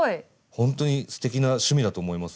ほんとにすてきな趣味だと思います。